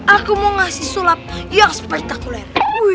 aku mau ngasih sulap yang spektakuler